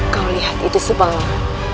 kau lihat itu sebangat